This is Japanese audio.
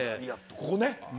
ここね。